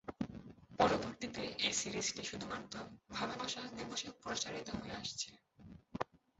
পরবর্তীতে এই সিরিজটি শুধুমাত্র ভালোবাসা দিবসে প্রচারিত হয়ে আসছে।